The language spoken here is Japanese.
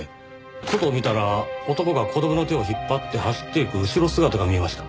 外を見たら男が子供の手を引っ張って走っていく後ろ姿が見えました。